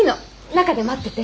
中で待ってて。